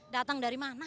datang dari mana